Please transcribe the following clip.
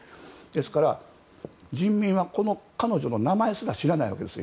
ですから、人民は彼女の名前すら知らないわけです。